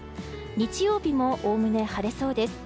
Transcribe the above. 日曜日もおおむね晴れそうです。